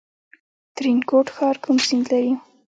ترینکوټ ښار کوم سیند لري؟